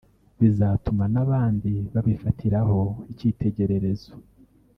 bizatuma n’abandi babifatiraho icyitegererezo